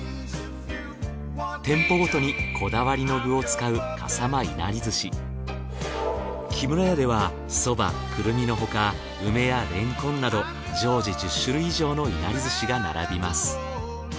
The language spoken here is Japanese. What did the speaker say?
店舗ごとにこだわりの具を使うきむらやではそばくるみの他梅やレンコンなど常時１０種類以上のいなり寿司が並びます。